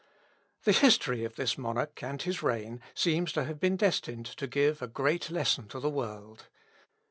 The history of this monarch and his reign seems to have been destined to give a great lesson to the world.